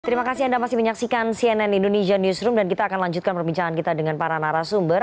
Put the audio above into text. terima kasih anda masih menyaksikan cnn indonesia newsroom dan kita akan lanjutkan perbincangan kita dengan para narasumber